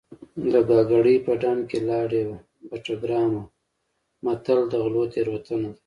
د ګانګړې په ډب کې لاړې بټه ګرامه متل د غلو تېروتنه ده